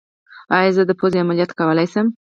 ایا زه د پوزې عملیات کولی شم؟